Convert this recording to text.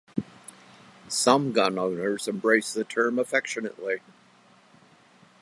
Some gun owners embrace the term affectionately.